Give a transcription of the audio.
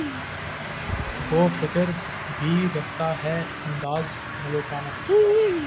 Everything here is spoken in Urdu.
گو فقر بھی رکھتا ہے انداز ملوکانہ